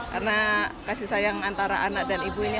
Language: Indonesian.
karena kasih sayang antara anak dan ibunya